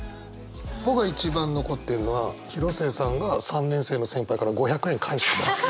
僕が一番残ってるのは広末さんが３年生の先輩から５００円返してもらった。